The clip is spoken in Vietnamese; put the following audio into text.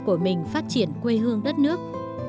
của mình phát triển quê hương đất nước